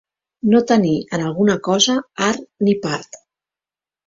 No tenir, en alguna cosa, art ni part.